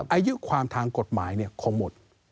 อายุความทางกฎหมายคงหมด